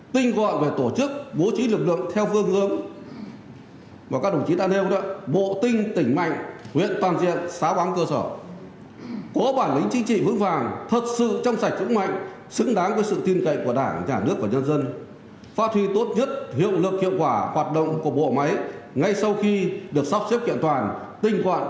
tinh gọi về tổ chức bố trí lực lượng theo phương hướng